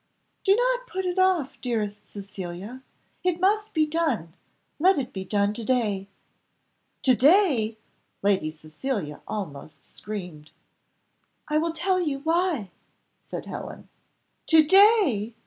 "Do not put it off, dearest Cecilia. It must be done let it be done to day." "To day!" Lady Cecilia almost screamed. "I will tell you why," said Helen. "To day!"